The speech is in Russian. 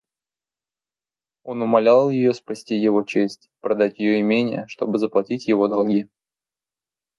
Он умолял ее спасти его честь, продать ее имение, чтобы заплатить его долги.